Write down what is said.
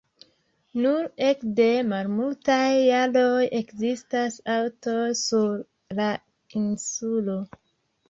Nur ekde malmultaj jaroj ekzistas aŭtoj sur la insulo.